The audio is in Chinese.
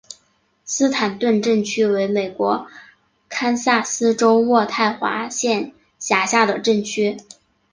斯坦顿镇区为美国堪萨斯州渥太华县辖下的镇区。